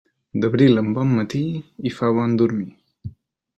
D'abril en bon matí, hi fa bon dormir.